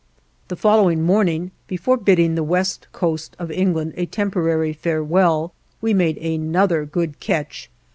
The following morning, before bidding the west coast of England a temporary farewell, we made another good catch.